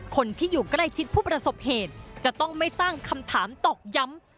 คนที่อยู่ใกล้ชิดผู้ประสบเหตุจะต้องไม่สร้างคำถามตอกย้ำ